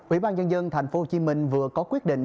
ủy ban nhân dân tp hcm vừa có quyết định